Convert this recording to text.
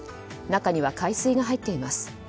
中には海水が入っています。